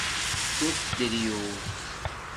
تُݸس دریݸ